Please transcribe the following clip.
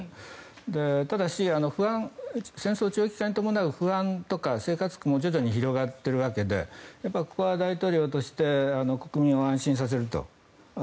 ただし、戦争長期化に伴う不安や生活苦も徐々に広がっているわけでここは大統領として国民を安心させると。